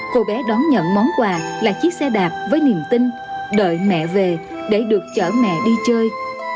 cô bé đón nhận món quà là chiếc xe đạp với niềm tin đợi mẹ về để được chở mẹ đi chơi